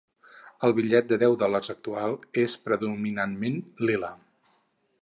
El bitllet de deu dòlars actual és predominantment lila.